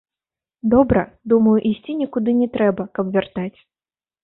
Добра, думаю, ісці нікуды не трэба, каб вяртаць.